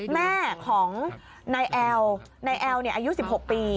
แม่ของนายแอลนายแอลอายุ๑๖ปี